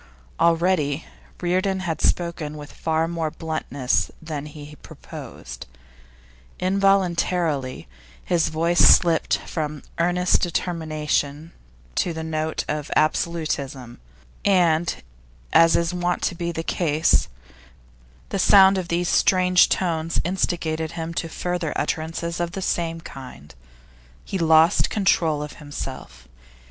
Already Reardon had spoken with far more bluntness than he proposed; involuntarily, his voice slipped from earnest determination to the note of absolutism, and, as is wont to be the case, the sound of these strange tones instigated him to further utterances of the same kind. He lost control of himself.